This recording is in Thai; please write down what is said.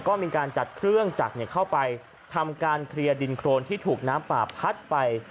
ก็มีการจัดเครื่องจักรเข้าไปทำการเคลียร์ดินโครนที่ถูกน้ำป่าพัดไป